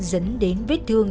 dẫn đến vết thương